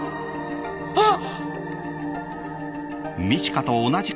あっ！